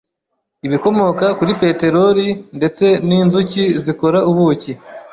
ibikomoka kuri peteroli ndetse n'inzuki zikora ubuki